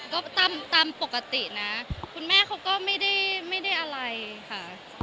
ก็ตามปกตินะคุณแม่เขาก็ไม่ได้อะไรค่ะ